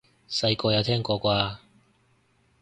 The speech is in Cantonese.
細個有聽過啩？